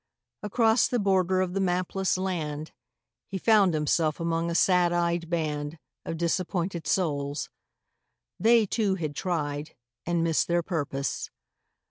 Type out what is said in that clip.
Across the border of the mapless land He found himself among a sad eyed band Of disappointed souls; they, too, had tried And missed their purpose.